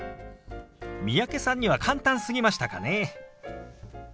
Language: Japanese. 三宅さんには簡単すぎましたかね。